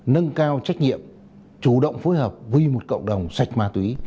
nâng cao trách nhiệm chủ động phối hợp vì một cộng đồng sạch ma túy